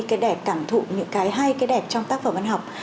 cái đẹp cảm thụ những cái hay cái đẹp trong tác phẩm văn học